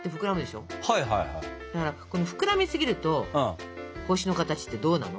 ただ膨らみすぎると星の形ってどうなの？